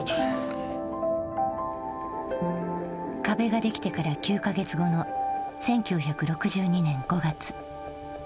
壁が出来てから９か月後の１９６２年５月。